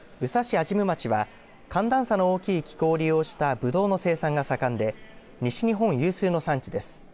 安心院町は寒暖差の大きい気候を利用したぶどうの生産が盛んで西日本有数の産地です。